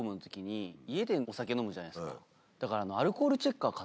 だから。